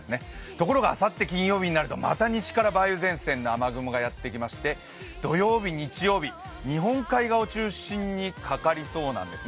ところがあさって金曜日になると西から梅雨前線がやってきまして土曜日、日曜日日本海側を中心にかかりそうです